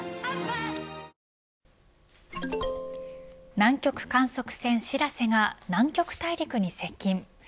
南極観測船しらせが南極大陸に接近。